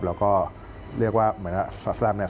เราก็เรียกว่าสแตมเนี่ย